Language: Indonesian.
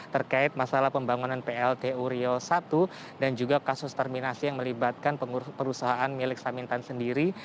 terkait masalah pembangunan pltu riau i dan juga kasus terminasi yang melibatkan perusahaan milik samintan sendiri